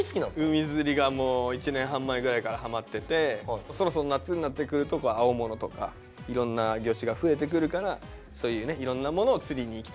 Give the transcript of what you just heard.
海釣りが１年半前ぐらいからハマっててそろそろ夏になってくると青物とかいろんな魚種が増えてくるからそういういろんなものを釣りに行きたいな。